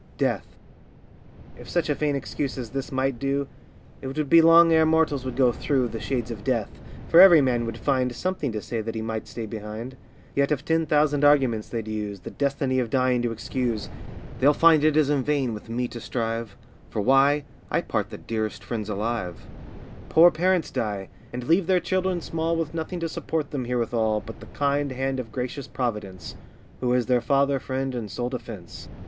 DEATH. If such a vain excuse as this might do, It would be long ere mortals would go through The shades of death; for every man would find Something to say that he might stay behind. Yet, if ten thousand arguments they'd use, The destiny of dying to excuse, They'll find it is in vain with me to strive, For why, I part the dearest friends alive; Poor parents die, and leave their children small With nothing to support them here withal, But the kind hand of gracious Providence, Who is their father, friend, and sole defence.